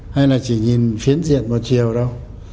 hay là chỉ nhìn phiến diện một chiều đâu